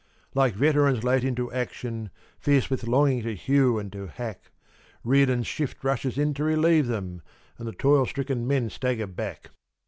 Like veterans late into action, fierce with longing to hew and to hack, Riordan's shift rushes in to relieve them, and the toil stricken men stagger back.